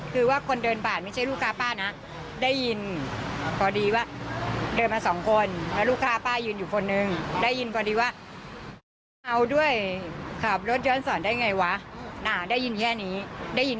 แต่ไม่ใช่ตรงปากทางวัดแน่นอน